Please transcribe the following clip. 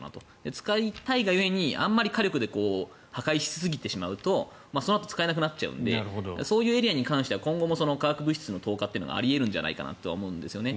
使いたいが故に、あまり火力で破壊しすぎてしまうとそのあと使えなくなるのでそのエリアに関しては今後も、化学物質投下があり得るんじゃないかと。